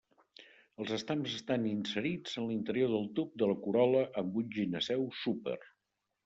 Els estams estan inserits en l'interior del tub de la corol·la amb un gineceu súper.